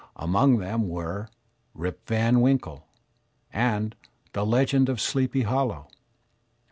Among them were "Rip Van Winkle," and "The Legend of Sleepy Hollow."